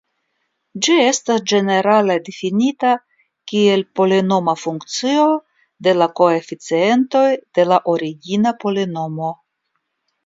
Ĝi estas ĝenerale difinita kiel polinoma funkcio de la koeficientoj de la origina polinomo.